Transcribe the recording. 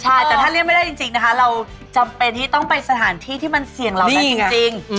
ใช่แต่ถ้าเรียกไม่ได้จริงนะคะเราจำเป็นที่ต้องไปสถานที่ที่มันเสี่ยงเหล่านั้นจริง